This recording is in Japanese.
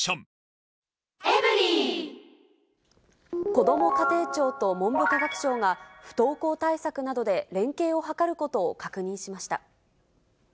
こども家庭庁と文部科学省が、不登校対策などで連携を図ることを確認しました。